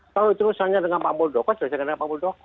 kalau itu urusannya dengan pak muldoko selesaikan dengan pak muldoko